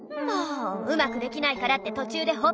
うまくできないからって途中でほっぽって。